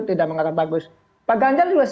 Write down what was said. tidak mengatakan bagus pak ganjar juga